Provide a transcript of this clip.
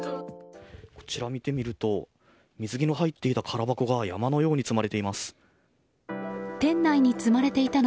見てみると水着の入っていた空箱が山のように積まれています。